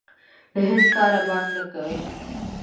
له هېڅ کاره باک نه کوي.